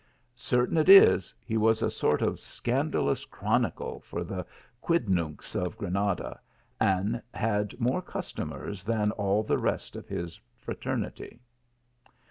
Cer tain it is, he was a sort of scandalous chronicle for the quidnuncs of Granada, and had more customers than all the rest of his fraternity.